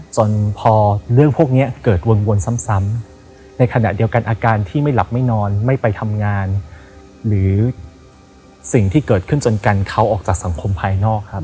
จนพอเรื่องพวกนี้เกิดวนซ้ำในขณะเดียวกันอาการที่ไม่หลับไม่นอนไม่ไปทำงานหรือสิ่งที่เกิดขึ้นจนกันเขาออกจากสังคมภายนอกครับ